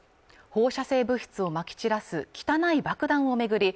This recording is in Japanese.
放射性物質をまき散らす汚い爆弾を巡り